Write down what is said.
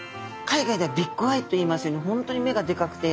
海外ではビッグアイといいますように本当に目がでかくて。